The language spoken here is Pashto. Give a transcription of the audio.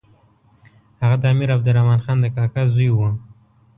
هغه د امیر عبدالرحمن خان د کاکا زوی وو.